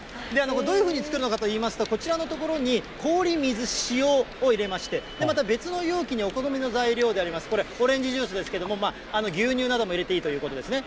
どういうふうに作るのかといいますと、こちらの所に氷、水、塩を入れまして、また別の容器に、お好みの材料であります、これ、オレンジジュースですけれども、牛乳なども入れていいということですね。